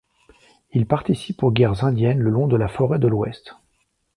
Il participe aux guerres indiennes le long de la frontière de l'Ouest.